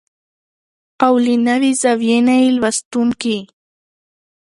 او له نوې زاويې نه يې لوستونکي